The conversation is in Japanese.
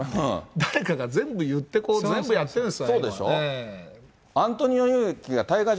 誰かが全部行って、こう、全部やってるんです。